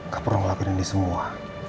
gak pernah ngelakuin ini semua